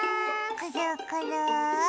くるくる。